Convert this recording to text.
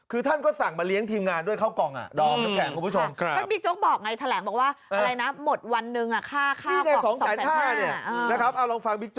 คือท่านก็สั่งมาเลี้ยงทีมงานด้วยเข้ากล่องดอง